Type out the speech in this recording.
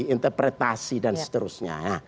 interpretasi dan seterusnya